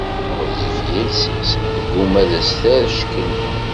Ɣezzif yiles-is, tegguma ad as-terr ckkel.